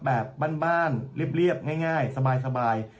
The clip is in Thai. แบบบ้านเรียบง่ายสบาย